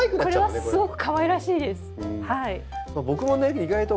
これはすごくかわいらしいです。